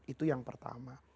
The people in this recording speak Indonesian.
itu yang pertama